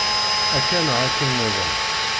Akka neɣ akken-nniḍen.